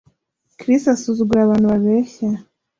Chris asuzugura abantu babeshya